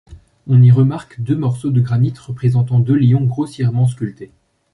On y remarque deux morceaux de granit représentant deux lions grossièrement sculptés.